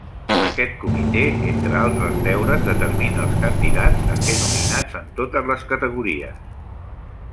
Aquest comitè, entre altres deures, determina els candidats a ser nominats en totes les categories.